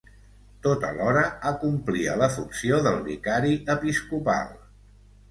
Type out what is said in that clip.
Tot alhora, acomplia la funció de vicari episcopal.